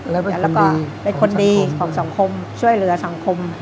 แล้วก็เป็นคนดีของสังคมช่วยเหลือสังคม